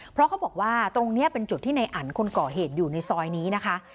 เพราะเขาบอกว่าตรงนี้เป็นจุดที่ในอันคนก่อเหตุอยู่ในซอยนี้นะคะ